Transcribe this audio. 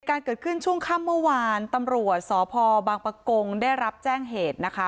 เกิดขึ้นช่วงค่ำเมื่อวานตำรวจสพบางประกงได้รับแจ้งเหตุนะคะ